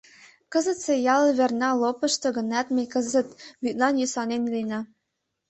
Кызытсе ял верна лопышто гынат, ме кызыт вӱдлан йӧсланен илена.